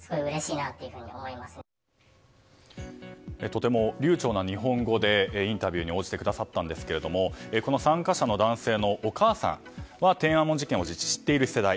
とても流暢な日本語でインタビューに応じてくださったんですけどもこの参加者の男性のお母さんは天安門事件を知っている世代。